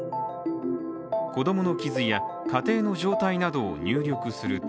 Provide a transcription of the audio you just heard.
子供の傷や、家庭の状態などを入力すると